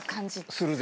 「するぜ！！」